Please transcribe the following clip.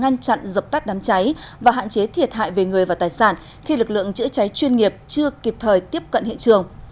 chặn dập tắt đám cháy và hạn chế thiệt hại về người và tài sản khi lực lượng chữa cháy chuyên nghiệp chưa kịp thời tiếp cận hiện trường